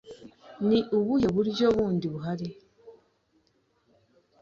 Ni ubuhe buryo bundi buhari?